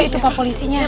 eh itu pak polisinya